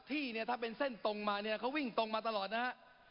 ที่เนี่ยถ้าเป็นเส้นตรงมาเนี่ยเขาวิ่งตรงมาตลอดนะฮะ